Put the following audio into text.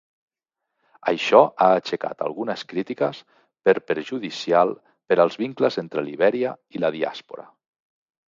Això ha aixecat algunes crítiques per perjudicial per als vincles entre Libèria i la diàspora.